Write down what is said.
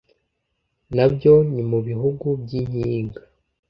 nabyo ni mu bihugu by’inkiga.